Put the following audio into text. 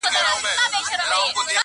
پک نه پر سر تار لري، نه په غوړو کار لري.